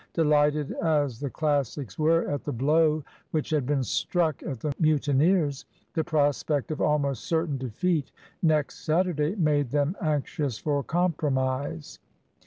Delighted as the Classics were at the blow which had been struck at the mutineers, the prospect of almost certain defeat next Saturday made them anxious for compromise.